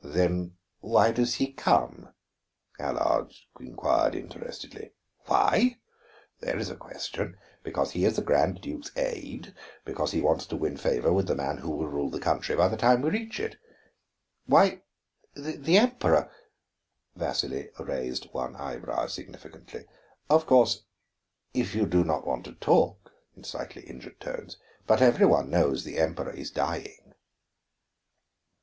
"Then why does he come?" Allard inquired interestedly. "Why? There is a question! Because he is the Grand Duke's aide, because he wants to win favor with the man who will rule the country by the time we reach it." "Why, the Emperor " Vasili raised one eyebrow significantly. "Of course, if you do not want to talk," in slightly injured tones. "But every one knows that the Emperor is dying."